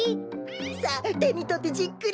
さあてにとってじっくりと。